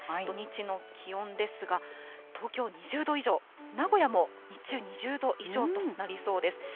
土日の気温ですが、東京２０度以上、名古屋も日中２０度以上となりそうです。